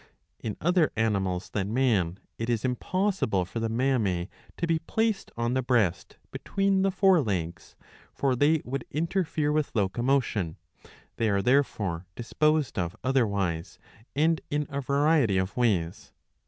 ^* In other animals ^^ than man, it is impossible for the mammae to be placed on the breast between the fore legs, for they would interfere with locomotion ; they are therefore disposed of otherwise, and in a variety of ways.